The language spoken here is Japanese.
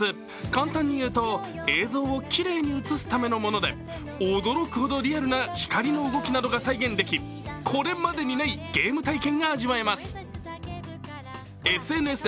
簡単にいうと、映像をきれいに映すためのもので驚くほどリアルな光の動きなどが再現でき、これまでにないゲーム体験が味わえます。